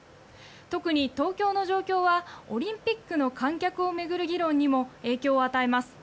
特に東京の状況はオリンピックの観客を巡る議論にも影響を与えます。